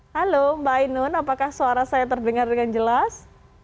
halo mbak ainun apakah suara saya terdengar dengan jelas